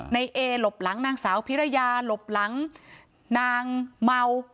ในเอหลบหลังนางสาวพิรยาหลบหลังนางเมา